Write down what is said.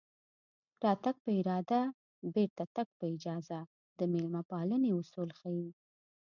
راتګ په اراده بېرته تګ په اجازه د مېلمه پالنې اصول ښيي